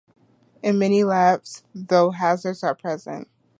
In many labs, though, hazards are present.